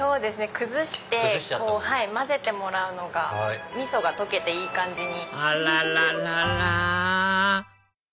崩して混ぜてもらうのが味噌が溶けていい感じに。